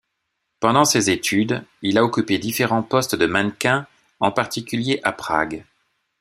Pendant ses études, il a occupé différents postes de mannequin, en particulier à Prague.